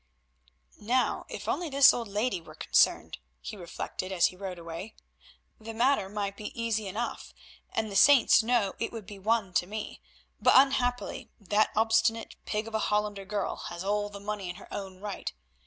"Now, if only this old lady were concerned," he reflected as he rode away, "the matter might be easy enough, and the Saints know it would be one to me, but unhappily that obstinate pig of a Hollander girl has all the money in her own right.